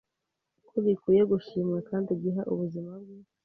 ko gikwiye gushimwa kandi giha ubuzima bwe